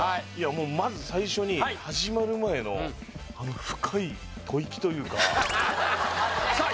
もうまず最初に始まる前のあの深い吐息というかさあ